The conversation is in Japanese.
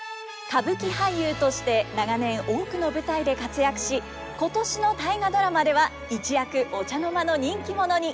歌舞伎俳優として長年多くの舞台で活躍し今年の「大河ドラマ」では一躍お茶の間の人気者に。